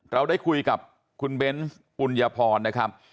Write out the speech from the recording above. เราได้คุยกับคุณเบนส์ปุญญพรนะครับ